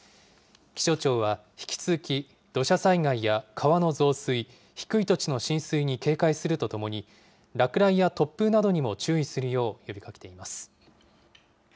気象庁は、引き続き土砂災害や川の増水、低い土地の浸水に警戒するとともに、落雷や突風などにも注意するよう呼びかけています。